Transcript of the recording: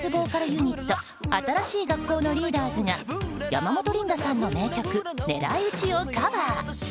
ユニット新しい学校のリーダーズが山本リンダさんの名曲「狙いうち」をカバー。